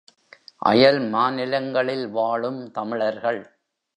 அயல் மாநிலங்களில் வாழும் தமிழர்கள்.